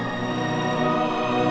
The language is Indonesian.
aku mau makan